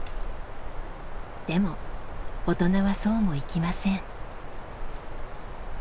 でも大人はそうもいきません。